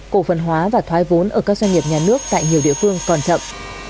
cổ phần hóa và thoái vốn ở các doanh nghiệp nhà nước tại nhiều địa phương còn chậm